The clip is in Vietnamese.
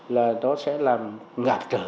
là nó sẽ làm ngạt trở